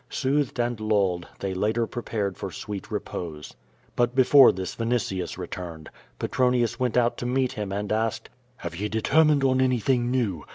Soothed and lulled, they later prepared for sweet repose. But before this Vinitius returned. Petronius went out to meet him and asked: "Have ye determined on anything new?